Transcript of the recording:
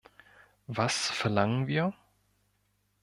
Was verlangen wir?